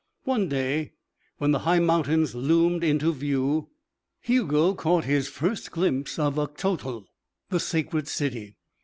One day, when the high mountains loomed into view, Hugo caught his first glimpse of Uctotol, the Sacred City.